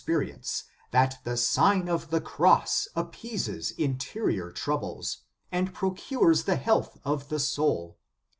149 rience, that the Sign of the Cross appeases interior troubles, and procures the health of the soul.